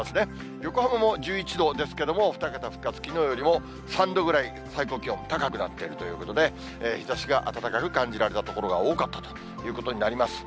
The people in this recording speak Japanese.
横浜も１１度ですけれども、２桁復活、きのうよりも３度ぐらい最高気温、高くなっているということで、日ざしが暖かく感じられた所が多かったということになります。